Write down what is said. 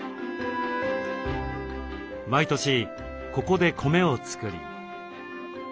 毎年ここで米を作り。